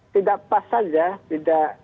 tidak pas saja tidak